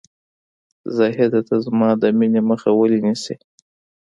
زاهده ! ته زما د مینې مخه ولې نیسې ؟